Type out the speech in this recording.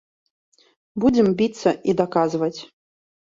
Будзем біцца і даказваць.